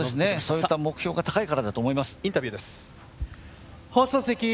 そういった目標が高いからだと思います。